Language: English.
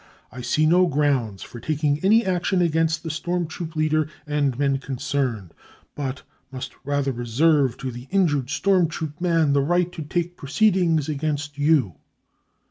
" I see no grounds for taking any action against the storm troop leader and men concerned, but must rather re serve to the injured storm troop man the right to take proceedings against you.